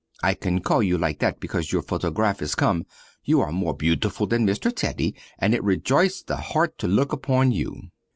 (I call you like that because your photography is come; you are more beautiful than Mr. Teddy and it rejoice the heart to look upon you.)